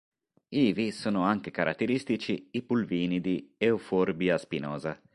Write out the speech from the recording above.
Ivi sono anche caratteristici i pulvini di "Euphorbia spinosa".